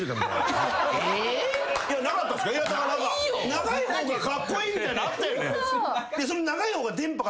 長い方がカッコイイみたいのあったよね。